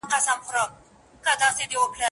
ورځو کډه کړې ده اسمان ګوري کاږه ورته